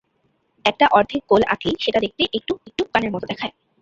একটা অর্ধেক গোল আঁকলেই সেটা দেখতে একটু একটু কানের মতো দেখায়।